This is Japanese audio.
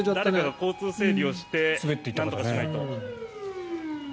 交通整理をしてなんとかしていると。